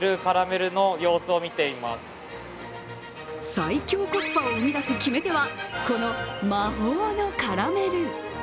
最強コスパを生み出す決め手はこの魔法の絡める。